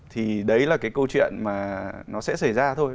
thì đấy là cái câu chuyện mà nó sẽ xảy ra thôi